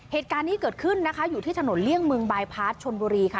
เหตุการณ์นี้เกิดขึ้นนะคะอยู่ที่ถนนเลี่ยงเมืองบายพาร์ทชนบุรีค่ะ